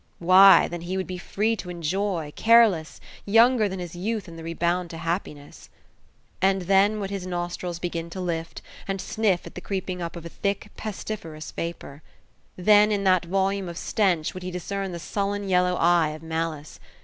Why, then he would be free to enjoy, careless, younger than his youth in the rebound to happiness! And then would his nostrils begin to lift and sniff at the creeping up of a thick pestiferous vapour. Then in that volume of stench would he discern the sullen yellow eye of malice.